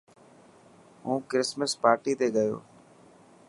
هون ڪرسمس پارٽي تي گيو.